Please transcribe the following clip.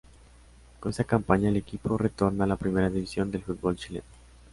Con esa campaña el equipo retorna a la Primera División del fútbol chileno.